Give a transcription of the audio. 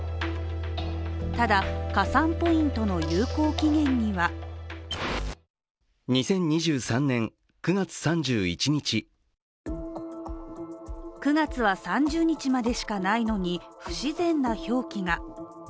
ただ、加算ポイントの有効期限には９月は３０日までしかないのに不自然な表記が。